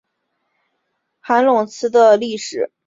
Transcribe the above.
韩泷祠的历史年代为清嘉庆十四年重修。